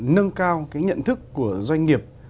nâng cao cái nhận thức của doanh nghiệp